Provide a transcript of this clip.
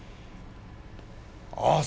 あっ！